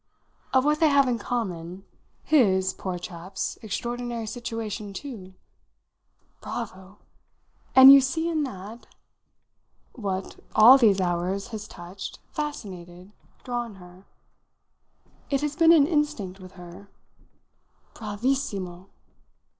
"Of what they have in common. His poor chap's extraordinary situation too." "Bravo! And you see in that ?" "What, all these hours, has touched, fascinated, drawn her. It has been an instinct with her." "Bravissimo!"